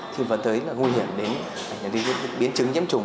thì vẫn tới là nguy hiểm đến biến chứng nhiễm trùng